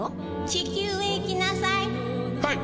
「地球へ行きなさい」